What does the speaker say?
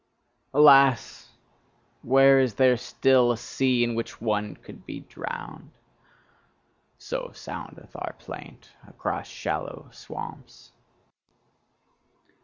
'Alas! where is there still a sea in which one could be drowned?' so soundeth our plaint across shallow swamps.